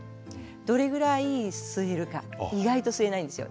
どれくらい吸えるか意外と吸えないんですよ。